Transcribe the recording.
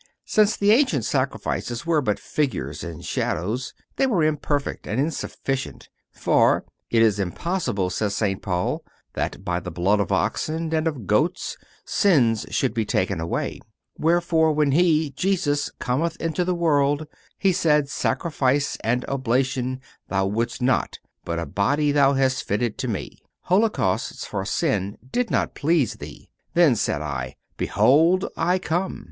Since the ancient sacrifices were but figures and shadows, they were imperfect and insufficient; for "it is impossible," says St. Paul, "that by the blood of oxen and of goats sins should be taken away. Wherefore, when He (Jesus) cometh into the world, He saith: Sacrifice and oblation Thou wouldst not, but a body Thou hast fitted to me. Holocausts for sin did not please Thee. Then said I: Behold, I come."